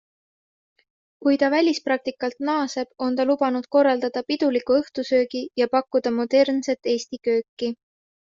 Kui ta välispraktikalt naaseb, on ta lubanud korraldada piduliku õhtusöögi ja pakkuda modernset Eesti kööki.